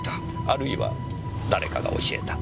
あるいは誰かが教えた。